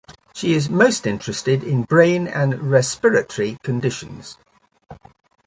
She is most interested in brain and respiratory conditions.